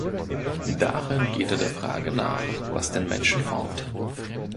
Darin geht er der Frage nach, was den Menschen formt.